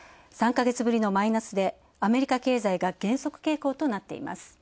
３か月ぶりのマイナスでアメリカ経済が減速傾向となっています。